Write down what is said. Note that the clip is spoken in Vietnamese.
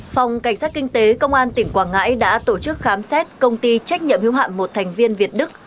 phòng cảnh sát kinh tế công an tỉnh quảng ngãi đã tổ chức khám xét công ty trách nhiệm hưu hạm một thành viên việt đức